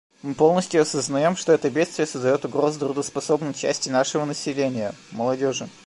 Мы полностью осознаем, что это бедствие создает угрозу трудоспособной части нашего населения — молодежи.